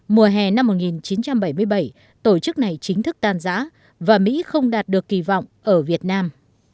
mùa hè năm một nghìn chín trăm bảy mươi bảy tổ chức này chính thức tan giá và mỹ không đạt được kỳ vọng ở việt nam